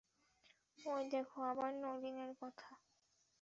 ঐ দেখো, আবার নলিনের কথা!